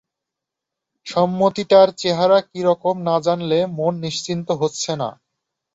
সম্মতিটার চেহারা কী রকম না জানলে মন নিশ্চিন্ত হচ্ছে না।